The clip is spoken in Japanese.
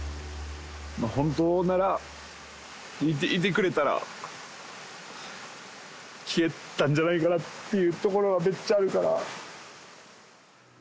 本当なら、見ていてくれたら、言えたんじゃないかなっていうところはめっちゃあるから。